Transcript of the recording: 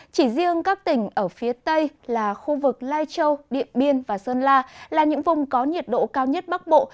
chỉ riêng các tỉnh ở phía tây là khu vực lai châu điện biên và sơn la là những vùng có nhiệt độ cao nhất bắc bộ